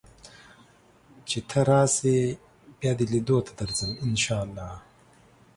چې ته راشې بیا دې لیدو ته درځم ان شاء الله